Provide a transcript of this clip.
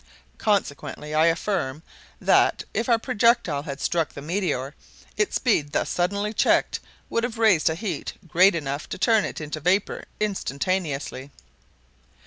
Consequently I affirm that, if our projectile had struck the meteor, its speed thus suddenly checked would have raised a heat great enough to turn it into vapor instantaneously."